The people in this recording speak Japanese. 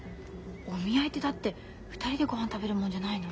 お見合いってだって２人でごはん食べるもんじゃないの？